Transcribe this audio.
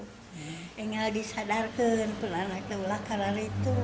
saya ingin disadarkan